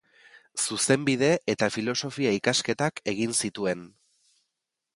Zuzenbide- eta Filosofia-ikasketak egin zituen.